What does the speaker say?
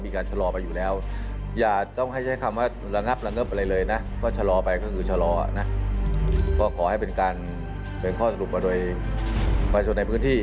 ของคนส่วนใหญ่ของคนในพื้นที่